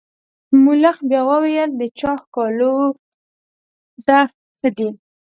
ملخ بیا وویل د چا ښکالو ده څه دي.